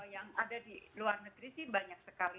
yang ada di luar negeri sih banyak sekali